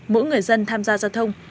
mỗi người dân tham gia giao thông